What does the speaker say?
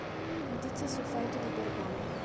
Notizie sul feudo di Bergolo